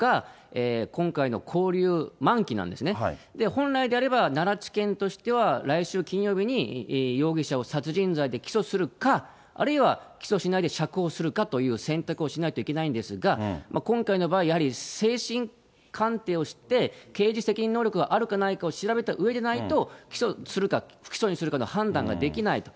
本来であれば、奈良地検としては来週金曜日に容疑者を殺人罪で起訴するか、あるいは起訴しないで釈放するかという選択をしないといけないんですが、今回の場合、やはり精神鑑定をして、刑事責任能力があるかないかを調べたうえでないと、起訴するか、不起訴にするかの判断ができないと。